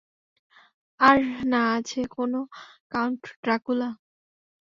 আর না আছে কোন কাউন্ট ড্রাকুলা?